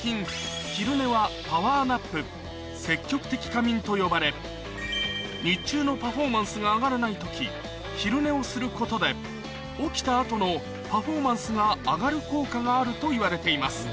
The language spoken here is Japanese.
最近と呼ばれ日中のパフォーマンスが上がらない時昼寝をすることで起きた後のパフォーマンスが上がる効果があるといわれています